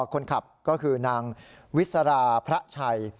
คนขับก็คือนางวิสราพระชัย